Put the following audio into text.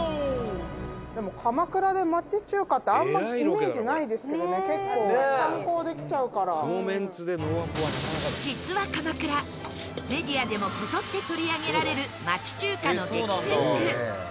「でも鎌倉で町中華ってあんまりイメージないですけどね結構観光で来ちゃうから」実は鎌倉メディアでもこぞって取り上げられる町中華の激戦区。